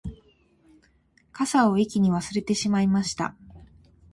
傘を駅に忘れてしまいました